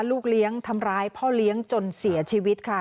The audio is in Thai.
ลูกเลี้ยงทำร้ายพ่อเลี้ยงจนเสียชีวิตค่ะ